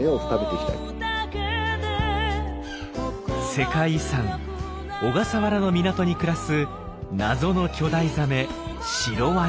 世界遺産小笠原の港に暮らす謎の巨大ザメシロワニ。